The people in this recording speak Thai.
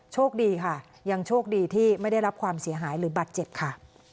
โชคดีค่ะยังโชคดีที่ไม่ได้รับความเสียหายหรือบาดเจ็บค่ะ